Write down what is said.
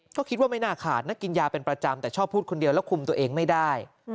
ก็คิดว่าไม่น่าขาดนะกินยาเป็นประจำแต่ชอบพูดคนเดียวแล้วคุมตัวเองไม่ได้